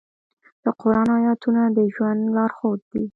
د قرآن آیاتونه د ژوند لارښود دي.